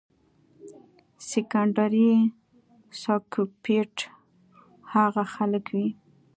سيکنډري سائکوپېت هاغه خلک وي